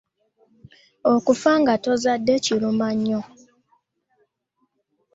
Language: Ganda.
Okufa nga tozadde kiruma nnyo.